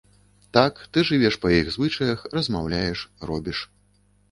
Так, ты жывеш па іх звычаях, размаўляеш, робіш.